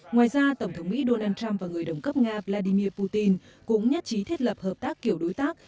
ngoài ra tổng thống mỹ donald trump và người đồng cấp nga vladimir putin cũng nhất trí thiết lập hợp tác kiểu đối tác